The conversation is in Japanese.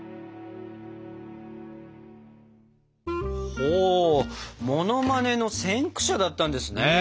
ほモノマネの先駆者だったんですね。